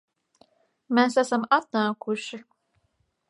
Mēs esam atnākuši